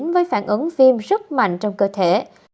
với phản ứng viêm rất mạnh trong cơ thể